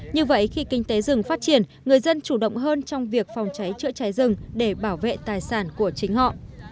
như vậy khi kinh tế rừng phát triển người dân chủ động hơn trong việc phòng cháy chữa cháy rừng để bảo vệ tài sản của chính họ